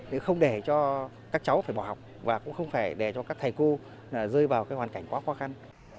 nhưng không để cho các cháu phải bỏ học và cũng không để cho các thầy cô rơi vào hoàn cảnh quá khó khăn